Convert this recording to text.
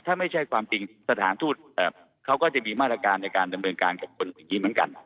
ถ้าไม่ใช่ความจริงสถานทูตเขาก็จะมีมาตรการในการดำเนินการกับคนอย่างนี้เหมือนกัน